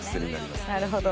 なるほど。